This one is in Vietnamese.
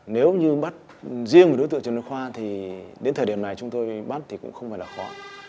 nếu như bắt riêng một đối tượng trần văn khoa thì đến thời điểm này chúng tôi bắt thì cũng không phải là khó